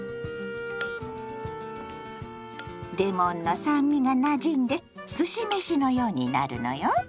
レモンの酸味がなじんですし飯のようになるのよ。